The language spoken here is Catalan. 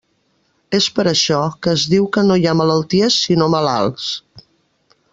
És per això que es diu que no hi ha malalties sinó malalts.